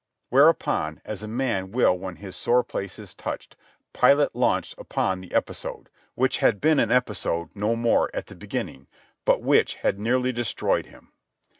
Whereupon, as a man will when his sore place is touched, Pilate launched upon the episode, which had been an episode, no more, at the beginning, but which had nearly destroyed him.